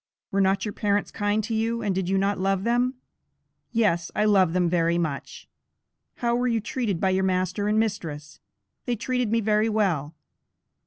"Were not your parents kind to you, and did you not love them?" "Yes I love them very much." "How were you treated by your master and mistress?" "They treated me very well."